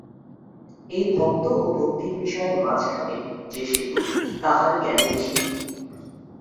এই ভক্ত ও ভক্তির বিষয়ের মাঝখানে যে সেতু তাহার জ্ঞানেরই সেতু।